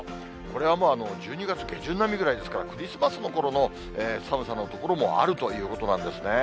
これはもう１２月下旬並みぐらいですから、クリスマスのころの寒さの所もあるということなんですね。